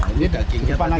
ini dagingnya tadi